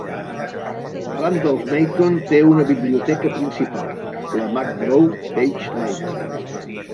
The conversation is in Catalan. Randolph-Macon té una biblioteca principal: la McGraw-Page Library.